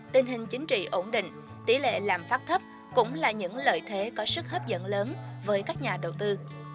tình hình chính trị ổn định tỷ lệ làm phát thấp cũng là những lợi thế có sức hấp dẫn lớn với các nhà đầu tư